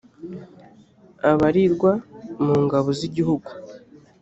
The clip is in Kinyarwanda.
abarirwa mu ngabo z’iguhugu